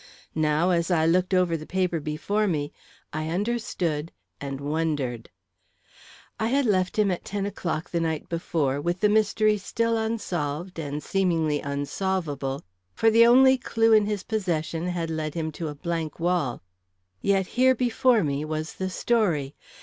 Now, as I looked over the paper before me, I understood and wondered. I had left him at ten o'clock the night before, with the mystery still unsolved and seemingly unsolvable, for the only clue in his possession had led him to a blank wall. Yet here before me was the story.